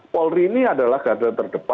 polri ini adalah garda terdepan